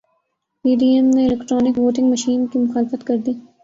پی D M نے electronic voting machine کی مخالفت کردی